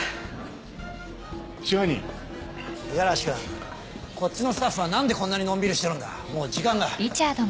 五十嵐君こっちのスタッフは何でこんなにのんびりしてるんだもう時間が。